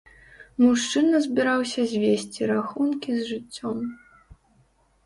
Мужчына збіраўся звесці рахункі з жыццём.